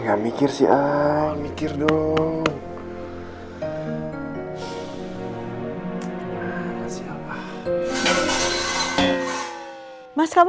gak emang aku sama sekali